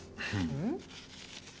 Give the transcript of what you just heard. うん？